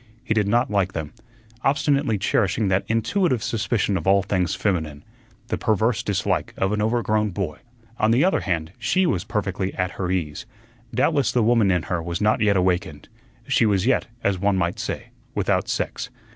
He did not like them, obstinately cherishing that intuitive suspicion of all things feminine the perverse dislike of an overgrown boy. On the other hand, she was perfectly at her ease; doubtless the woman in her was not yet awakened; she was yet, as one might say, without sex.